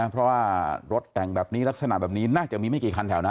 เพราะว่ารถแต่งแบบนี้ลักษณะแบบนี้น่าจะมีไม่กี่คันแถวนั้น